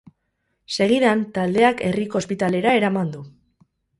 Segidan, taldeak herriko ospitalera eraman du.